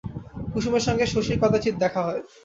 কুসুমের সঙ্গে শশীর কদাচিৎ দেখা হয়।